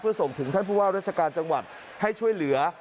ส่งถึงท่านผู้ว่าราชการจังหวัดให้ช่วยเหลือ